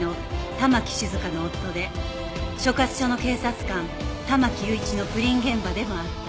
香の夫で所轄署の警察官玉城雄一の不倫現場でもあった